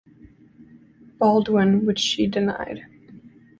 Baldwin, which she denied.